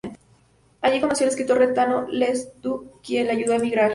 Allí conoció al escritor Renato Leduc, quien la ayudó a emigrar.